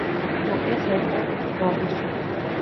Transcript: მოკლეს ერთ-ერთ ბრძოლაში.